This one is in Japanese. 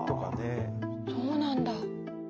そうなんだ。